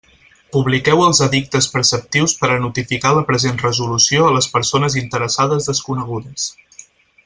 Publiqueu els edictes preceptius per a notificar la present resolució a les persones interessades desconegudes.